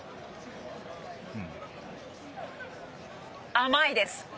甘いです。